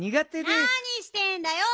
なにしてんだよ。